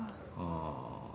ああ。